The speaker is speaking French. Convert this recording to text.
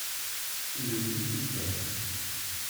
Le dix-huitième.